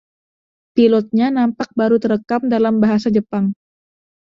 Pilotnya nampak baru terekam dalam bahasa Jepang.